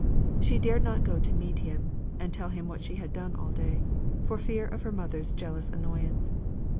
She dared not go to meet him, and tell him what she had done all day, for fear of her mother's jealous annoyance.